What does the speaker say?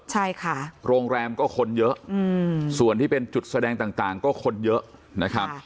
ใช่ค่ะโรงแรมก็คนเยอะส่วนที่เป็นจุดแสดงต่างก็คนเยอะนะครับ